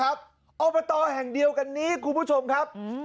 อบตแห่งเดียวกันนี้คุณผู้ชมครับ